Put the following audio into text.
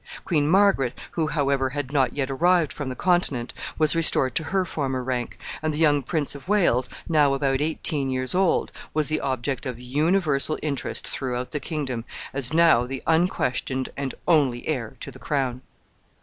Queen Margaret, who, however, had not yet arrived from the Continent, was restored to her former rank, and the young Prince of Wales, now about eighteen years old, was the object of universal interest throughout the kingdom, as now the unquestioned and only heir to the crown.